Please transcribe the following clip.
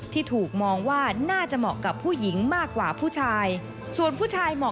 ที่ถูกมองว่าน่าจะเหมาะกับผู้หญิงมากกว่าผู้ชาย